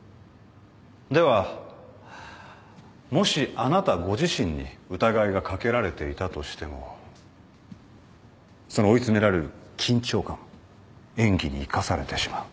ではもしあなたご自身に疑いが掛けられていたとしてもその追い詰められる緊張感も演技に生かされてしまう。